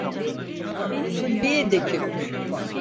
Sulbiye de kim?